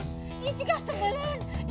ini bukan sebenarnya